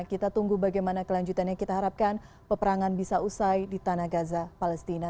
kita tunggu bagaimana kelanjutannya kita harapkan peperangan bisa usai di tanah gaza palestina